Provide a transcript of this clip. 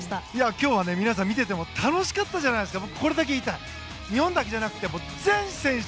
今日は皆さん見てても楽しかったじゃないですか。